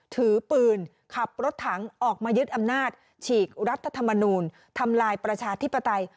ถือปืนขับรถถังออกมายึดอำนาจฉีกรัฐธรรมนูลทำลายประชาธิปไตย